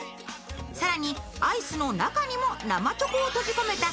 更にアイスの中にも生チョコを閉じ込めた